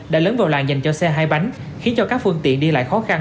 đã lớn vào làng dành cho xe hai bánh khiến cho các phương tiện đi lại khó khăn